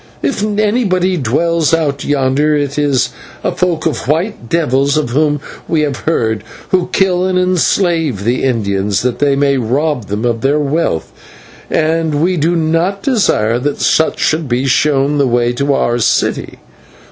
If anybody dwells out yonder it is a folk of white devils of whom we have heard, who kill and enslave the Indians, that they may rob them of their wealth, and we do not desire that such should be shown the way to our city.